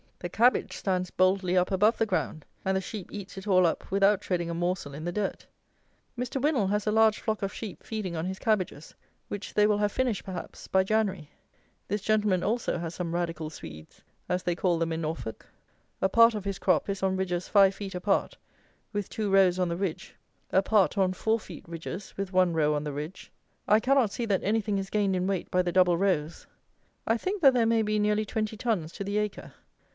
The cabbage stands boldly up above the ground, and the sheep eats it all up without treading a morsel in the dirt. Mr. WINNAL has a large flock of sheep feeding on his cabbages, which they will have finished, perhaps, by January. This gentleman also has some "radical Swedes," as they call them in Norfolk. A part of his crop is on ridges five feet apart with two rows on the ridge, a part on four feet ridges with one row on the ridge. I cannot see that anything is gained in weight by the double rows. I think that there may be nearly twenty tons to the acre.